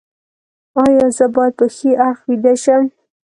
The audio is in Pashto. ایا زه باید په ښي اړخ ویده شم؟